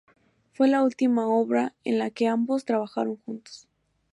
Fue la última obra en la que ambos trabajaron juntos.